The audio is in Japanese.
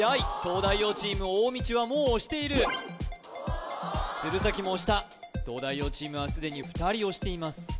東大王チーム大道はもう押している鶴崎も押した東大王チームはすでに２人押しています